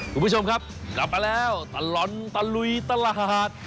คุณผู้ชมครับกลับมาแล้วตลอดตะลุยตลาด